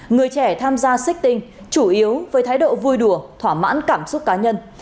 người trẻ tham gia siết tinh chủ yếu với thái độ vui đùa thỏa mãn cảm xúc cá nhân